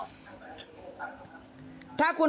เลขบัญชีธนาคาร